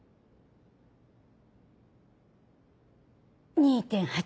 「２．８」。